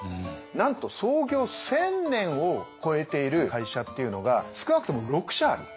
なんと創業１，０００年を超えている会社っていうのが少なくとも６社ある。